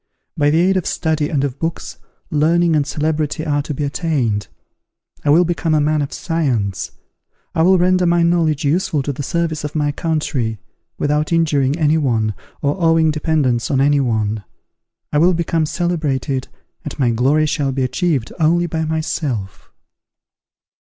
By the aid of study and of books, learning and celebrity are to be attained. I will become a man of science: I will render my knowledge useful to the service of my country, without injuring any one, or owning dependence on any one. I will become celebrated, and my glory shall be achieved only by myself.